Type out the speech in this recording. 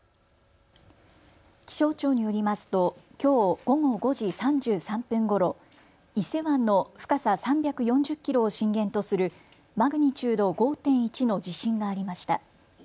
気象庁によりますときょう午後５時３３分ごろ、伊勢湾の深さ３４０キロを震源とするマグニチュード５．１の地震がありました。